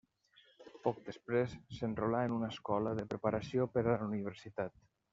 Poc després s'enrolà en una escola de preparació per a la universitat.